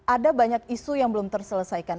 ada banyak isu yang belum terselesaikan